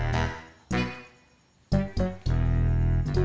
mak sudah ke gegeben